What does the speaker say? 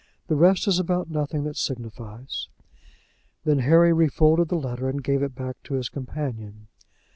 "The rest is about nothing that signifies." Then Harry refolded the letter and gave it back to his companion.